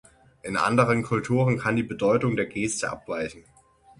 In anderen Kulturen kann die Bedeutung der Geste abweichen.